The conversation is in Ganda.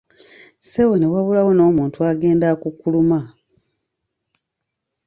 Ssebo ne wabulawo n'omuntu agenda akukuluma.